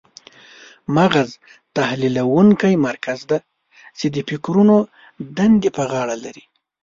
مغز تحلیلونکی مرکز دی چې د فکرونو دندې په غاړه لري.